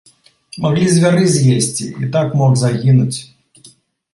Маглі звяры з'есці, і так мог загінуць!